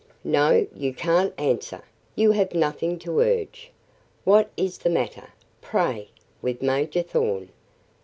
"No; you can't answer; you have nothing to urge. What is the matter, pray, with Major Thorn?